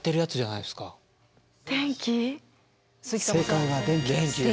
正解は電気です。